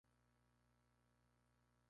Estaban dispersas por toda la capital del país.